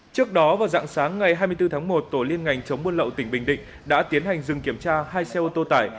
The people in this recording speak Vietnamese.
trước đó vào dạng sáng ngày hai mươi bốn tháng một tổ liên ngành chống buôn lậu tỉnh bình định đã tiến hành dừng kiểm tra hai xe ô tô tải